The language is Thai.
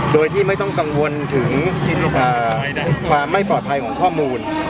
โดยที่ไม่ต้องกังวลถึงความไม่ปลอดภัยของข้อมูล